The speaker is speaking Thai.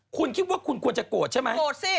คุณคิดว่าคุณควรจะโกรธใช่ไหมโกรธสิ